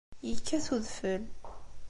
Yekkat udfel.